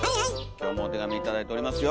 今日もお手紙頂いておりますよ。